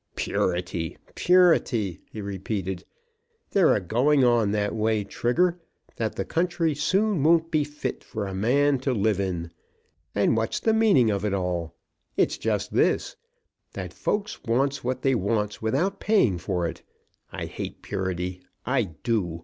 "Purity! Purity!" he repeated. "They're a going on that way, Trigger, that the country soon won't be fit for a man to live in. And what's the meaning of it all? It's just this, that folks wants what they wants without paying for it. I hate Purity, I do.